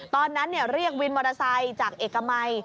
ตอนนั้นเรียกวินมอเตอร์ไซค์จากเอกมัย